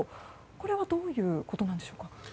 これはどういうことなのでしょうか。